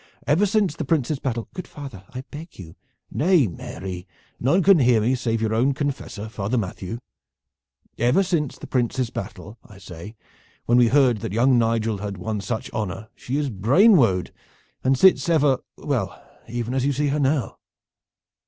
Ever since the Prince's battle " "Good father, I beg you " "Nay, Mary, none can hear me, save your own confessor, Father Matthew. Ever since the Prince's battle, I say, when we heard that young Nigel had won such honor she is brain wode, and sits ever well, even as you see her now."